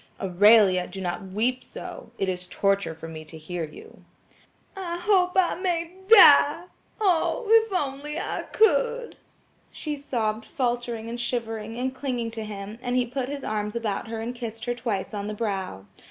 "Aurelia, do not weep so. It is torture for me to hear you." "I hope I may die! Oh, if I only could!" she sobbed faltering and shivering, and clinging to him, and he put his arms about her and kissed her twice on the brow.